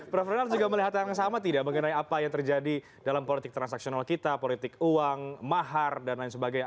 prof renard juga melihat hal yang sama tidak mengenai apa yang terjadi dalam politik transaksional kita politik uang mahar dan lain sebagainya